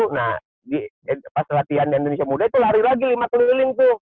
nah pas latihan di indonesia muda itu lari lagi lima keliling tuh